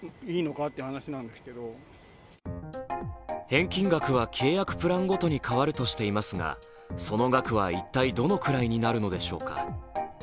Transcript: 返金額は契約プランごとに変わるとしていますが、その額は一体どのくらいになるのでしょうか。